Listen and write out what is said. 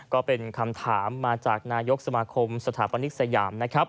ก็เป็นคำถามมาจากนายกสมาคมสถาปนิกสยามนะครับ